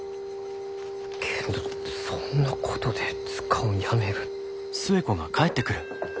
けんどそんなことで図鑑をやめる。